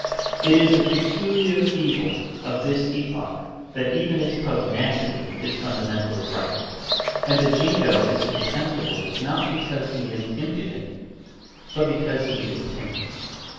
It is the peculiar evil of this epoch that even its pugnacity is fundamentally frightened; and the Jingo is contemptible not because he is impudent, but because he is timid.